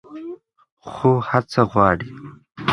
خو هڅه غواړي.